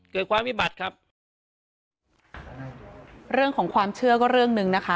เกิดความวิบัติครับเรื่องของความเชื่อก็เรื่องหนึ่งนะคะ